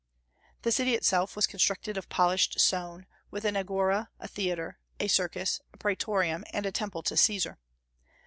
The city itself was constructed of polished stone, with an agora, a theatre, a circus, a praetorium, and a temple to Caesar.